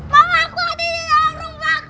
mama aku ada di dalam rumah